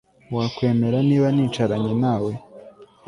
Wakwemera niba nicaranye nawe